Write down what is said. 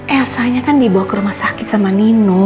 elsanya kan dibawa ke rumah sakit sama nino